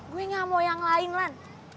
gue gak mau yang lain lah